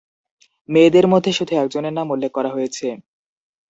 মেয়েদের মধ্যে শুধু একজনের নাম উল্লেখ করা হয়েছে।